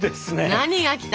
何がきた？